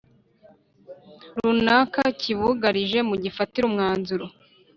runaka kibugarije mugifatire umwanzuro